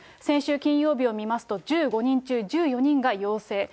先週金曜日を見ますと、１５人中１４人が陽性。